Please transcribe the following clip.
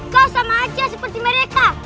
kau sama aja seperti mereka